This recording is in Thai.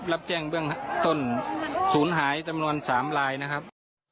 รับแจ้งเบื้องต้นศูนย์หายจำนวน๓ลายนะครับ